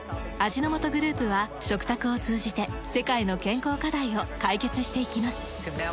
味の素グループは食卓を通じて世界の健康課題を解決していきます。